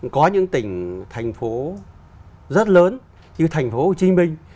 có những tỉnh thành phố rất lớn như thành phố hồ chí minh